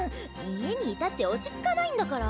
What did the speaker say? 家にいたって落ち着かないんだから。